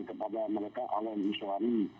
kepada mereka oleh niswani